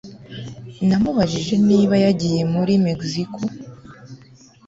Namubajije niba yagiye muri Mexico